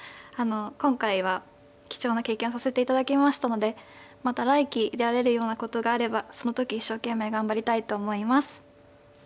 あの今回は貴重な経験をさせて頂きましたのでまた来期出られるようなことがあればその時一生懸命頑張りたいと思います。